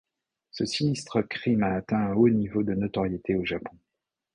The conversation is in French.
Ce sinistre crime a atteint un haut niveau de notoriété au Japon.